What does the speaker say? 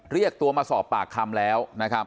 เรียกตัวมาสอบปากคำแล้ว